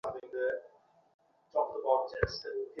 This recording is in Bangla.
তিনি রয়্যাল অ্যানথ্রোপোলজিক্যাল ইনস্টিটিউটের প্রেসিডেন্ট হয়েছিলেন।